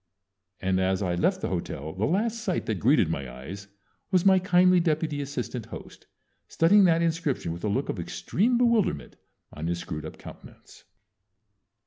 And as I left the hotel the last sight that greeted my eyes was my kindly deputy assistant host studying that inscription with a look of extreme bewilderment on his screwed up countenance.